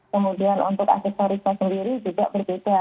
kemudian untuk aksesorisnya sendiri juga berbeda